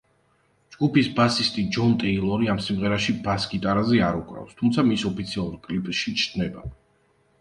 ჯგუფის ბასისტი ჯონ ტეილორი ამ სიმღერაში ბას-გიტარაზე არ უკრავს, თუმცა მის ოფიციალურ კლიპში ჩნდება.